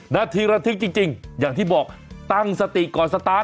นาทีระทึกจริงอย่างที่บอกตั้งสติก่อนสตาร์ท